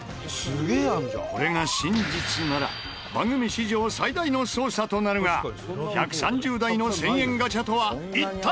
これが真実なら番組史上最大の捜査となるが１３０台の１０００円ガチャとは一体！？